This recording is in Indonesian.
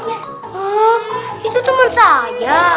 hah itu temen saya